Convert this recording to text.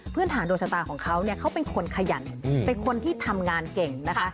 ฐานดวงชะตาของเขาเนี่ยเขาเป็นคนขยันเป็นคนที่ทำงานเก่งนะคะ